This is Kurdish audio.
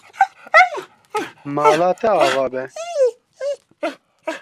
Mala te ava be.